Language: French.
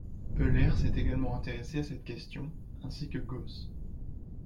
Euler s'est également intéressé à cette question, ainsi que Gauss.